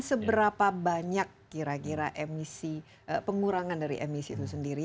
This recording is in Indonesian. seberapa banyak kira kira emisi pengurangan dari emisi itu sendiri